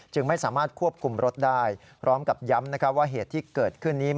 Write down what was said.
จึงไม่สามารถควบคุมรถได้